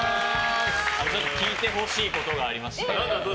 聞いてほしいことがありまして。